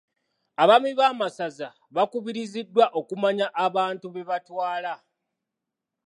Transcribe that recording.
Abaami b'amasaza baakubiriziddwa okumanya abantu be batwala.